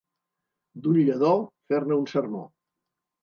D'un lledó, fer-ne un sermó.